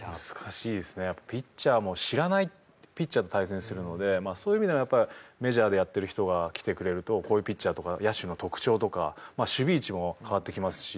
ピッチャーも知らないピッチャーと対戦するのでそういう意味でもやっぱメジャーでやってる人が来てくれるとこういうピッチャーとか野手の特徴とか守備位置も変わってきますし。